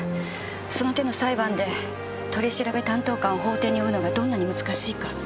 その手の裁判で取調担当官を法廷に呼ぶのがどんなに難しいか。